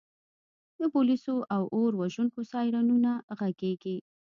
د پولیسو او اور وژونکو سایرنونه غږیږي